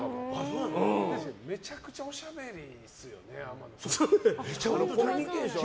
めちゃくちゃおしゃべりですよね、天野さん。